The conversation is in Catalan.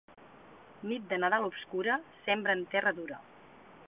Nit de Nadal obscura, sembra en terra dura.